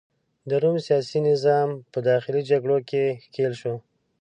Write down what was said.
د روم سیاسي نظام په داخلي جګړو کې ښکیل شو.